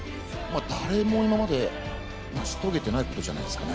誰も今まで成し遂げてないことじゃないですかね。